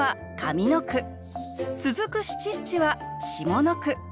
続く七七は下の句。